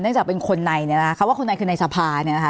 เนื่องจากเป็นคนในคำว่าคนในคือในสะพาน